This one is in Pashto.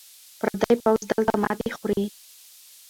پردی پوځ دلته ماتې خوري.